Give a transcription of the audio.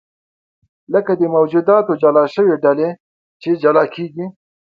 لکه د موجوداتو جلا شوې ډلې چې جلا کېږي.